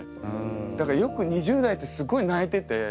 だからよく２０代ってすごい泣いてて。